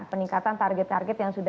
peningkatan target target yang sudah